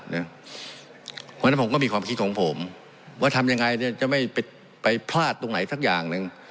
เพราะฉะนั้นผมก็มีความคิดของผมว่าทำยังไงจะไม่ไปพลาดตรงไหนสักอย่างหนึ่ง